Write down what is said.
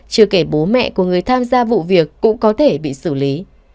chưa kể bố mẹ của người tham gia vụ việc cũng có thể bị xử lý